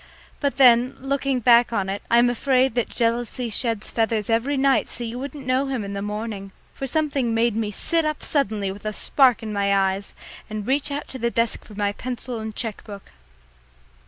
But then, looking back on it, I am afraid that jealousy sheds feathers every night so you won't know him in the morning, for something made me sit up suddenly with a spark in my eyes and reach out to the desk for my pencil and cheque book.